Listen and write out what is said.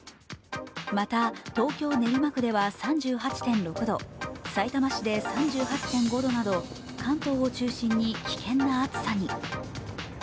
また、東京・練馬区では３８．６度、さいたま市で３８．５度など関東を中心に危険な暑さに。